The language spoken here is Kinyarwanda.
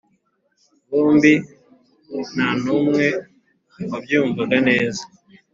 bombi ntanumwe wabyumvaga neza